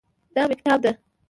دا مېکتاب ده